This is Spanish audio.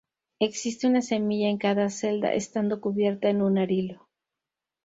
Existe una semilla en cada celda, estando cubierta en un arilo.